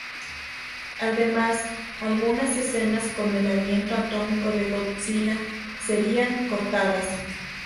Además, algunas escenas con el aliento atómico de Godzilla serían cortadas.